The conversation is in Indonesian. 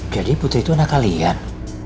jadi putri itu anak kalian